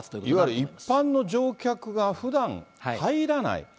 いわゆる一般の乗客がふだん入らない。